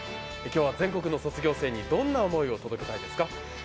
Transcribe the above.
今日は全国の卒業生にどんな思いを届けたいですか？